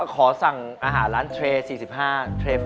ขอสั่งอาหารร้านเทร๔๕